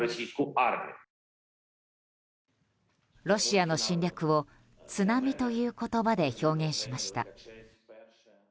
ロシアの侵略を津波という言葉で表現しました。